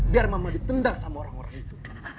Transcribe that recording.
biar mama ditendang sama orang orang itu